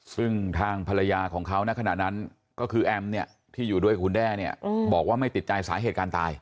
ซึ่งทางภรรยาของเขาในขณะนั้นก็คือแอมเนี่ยที่อยู่ด้วยกับคุณแด้เนี่ยบอกว่าไม่ติดใจสาเหตุการตาย